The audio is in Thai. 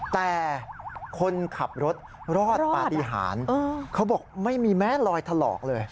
แต่คนขับรถรอดปฏิหารเขาบอกไม่มีแม้ลอยถลอกเลย